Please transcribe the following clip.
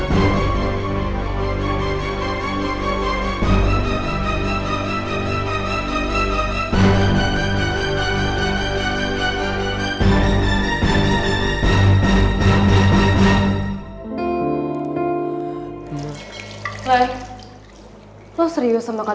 jalan ted jalan ted